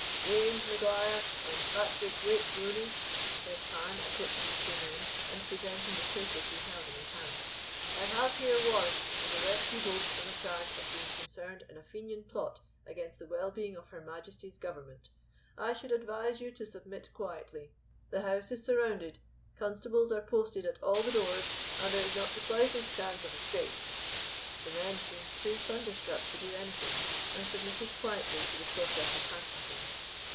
"James Maguire and Patrick Wake Rooney," said Carne, approaching the two men, and presenting the papers he held in his hand, "I have here warrants, and arrest you both on a charge of being concerned in a Fenian plot against the well being of Her Majesty's Government. I should advise you to submit quietly. The house is surrounded, constables are posted at all the doors, and there is not the slightest chance of escape." The men seemed too thunderstruck to do anything, and submitted quietly to the process of handcuffing.